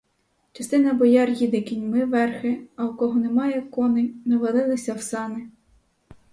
Частина бояр їде кіньми верхи, а у кого немає коней навалилися в сани.